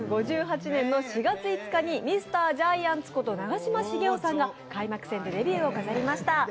１９５８年の４月５日にミスタージャイアンツこと長嶋茂雄さんが開幕戦でデビューを飾りました。